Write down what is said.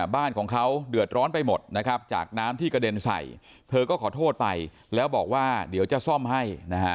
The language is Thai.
บ้านของเขาเดือดร้อนไปหมดนะครับจากน้ำที่กระเด็นใส่เธอก็ขอโทษไปแล้วบอกว่าเดี๋ยวจะซ่อมให้นะฮะ